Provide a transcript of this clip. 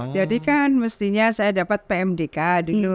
jadi kan mestinya saya dapat pmdk dulu